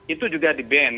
itu juga di ban